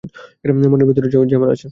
মলের ভেতরে জ্যামার আছে।